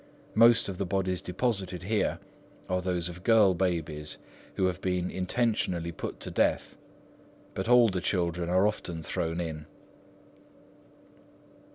Most of the bodies deposited here are those of girl babies who have been intentionally put to death, but older children are often thrown in."